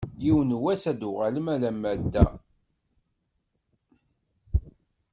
Yiwen n wass ad d-uɣalen alamma d da.